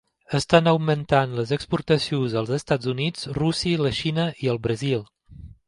Estan augmentant les exportacions als Estats Units, Rússia, la Xina i el Brasil.